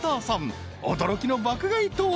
［驚きの爆買いとは］